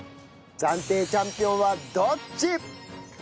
暫定チャンピオンはどっち！？